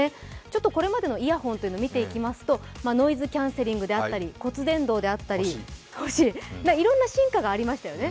これまでのイヤホンを見ていきますとノイズキャンセルであったり骨電動であったり、いろんな進化がありましたよね。